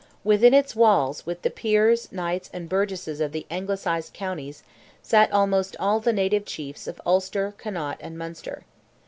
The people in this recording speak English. Within its walls with the peers, knights, and burgesses of the anglicized counties, sat almost all the native chiefs of Ulster, Connaught, and Munster.